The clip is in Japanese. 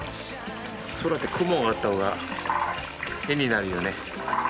空って、雲があったほうが絵になるよね。